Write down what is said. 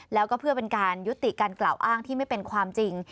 แล้วก็เพื่อเป็นการยุติการกล่าวอ้างที่ไม่เป็นความจริง